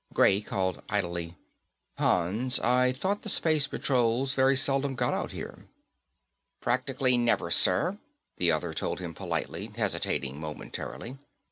Gray called idly, "Hans, I thought the space patrols very seldom got out here." "Practically never, sir," the other told him politely, hesitating momentarily.